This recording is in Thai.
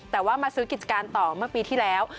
แต่ว่ามาซื้อกิจการต่อเมื่อปีที่แล้ว